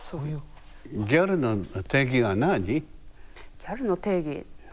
ギャルの定義は何？